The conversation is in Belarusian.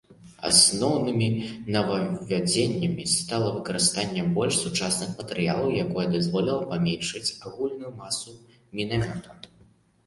Асноўнымі новаўвядзеннямі стала выкарыстанне больш сучасных матэрыялаў, якое дазволіла паменшыць агульную масу мінамёта.